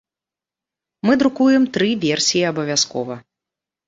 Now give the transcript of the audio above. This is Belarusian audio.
Мы друкуем тры версіі абавязкова.